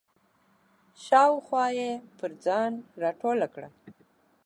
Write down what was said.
شاوخوا یې پر ځان راټوله کړه.